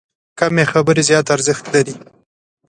کمې خبرې، زیات ارزښت لري.